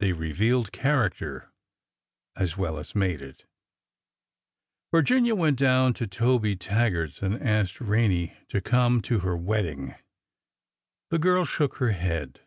They revealed character as well as made it. Virginia went down to Tobe Taggart's and asked Rene to come to her wedding. The girl shook her head.